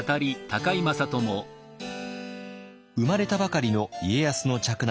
生まれたばかりの家康の嫡男